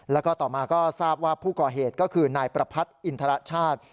แล้วก็ต่อมาก็ทราบว่าผู้ก่อเหตุก็คือนายประพัทธ์อินทรชาติ